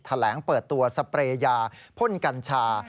แถลงเปิดตัวสเปรยาพ่นกัญชา